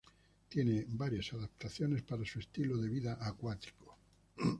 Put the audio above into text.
Tiene varias adaptaciones para su estilo de vida acuático.